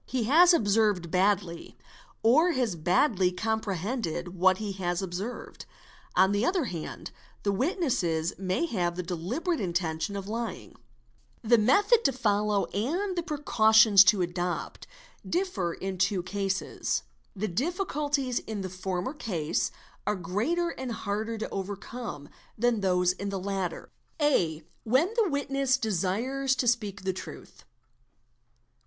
He has observed badly or has badly comprehended what he has observed. On the other hand the witness may have the deliberate intention of lying. The method to follow and the precautions to adopt, differ in the two GENERAL CONSIDERATIONS 57 cases. The difficulties in the former case are greater and harder to overcome than those in the latter. A. When the witness desires to speak the truth.